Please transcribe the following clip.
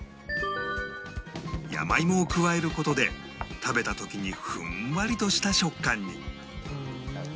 山芋を加える事で食べた時にふんわりとした食感に